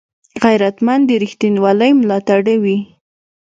غیرتمند د رښتینولۍ ملاتړی وي